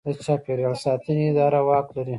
د چاپیریال ساتنې اداره واک لري؟